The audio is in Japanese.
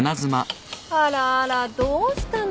あらあらどうしたの？